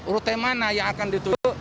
rute mana yang akan ditutup